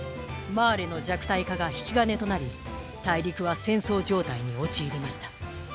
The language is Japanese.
マーレの弱体化が引き金となり大陸は戦争状態に陥りました。